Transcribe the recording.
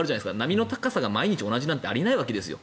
波の高さが毎日同じなんてあり得ないわけですよ。